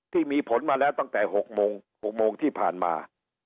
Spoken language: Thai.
ที่มีผลมาแล้วตั้งแต่๖โมง๖โมงที่ผ่านมา